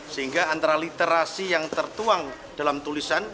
sehingga antara literasi yang tertuang dalam tulisan